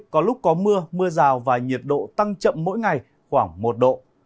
có lúc có mưa mưa rào và nhiệt độ tăng chậm mỗi ngày khoảng một độ